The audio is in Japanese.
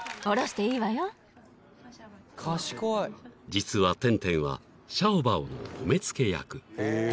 ［実はテンテンはシャオバオのお目付役］